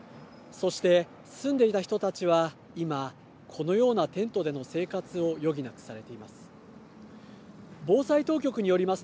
そして、住んでいた人たちは今このようなテントでの生活を余儀なくされています。